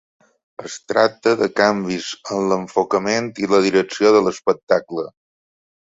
Es tracta de canvis en l'enfocament i la direcció de l'espectacle.